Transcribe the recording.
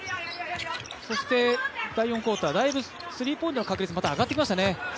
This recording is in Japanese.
そして第４クオーター、スリーポイントの確率が上がってきましたね。